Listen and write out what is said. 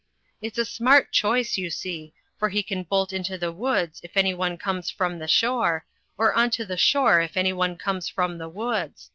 It's a smart choice, you see, for he can bolt into the woods if anyone comes from the shore, or on to the shore if anyone comes from the woods.